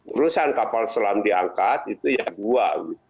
urusan kapal selam diangkat itu ya dua